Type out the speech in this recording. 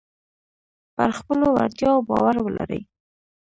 پر خپلو وړتیاو باور ولرئ.